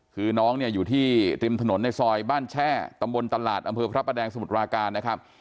คือน้องเนี่ยอยู่ที่ริมถนนในซอยบ้านแช่ตำบลตลาดอำเภอพระประแดงสมุทรปราการนะครับ